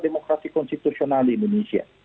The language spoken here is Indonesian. demokrasi konstitusional di indonesia